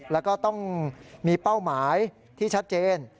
แล้วก็ต้องมีเป้าหมายที่ชัดเจน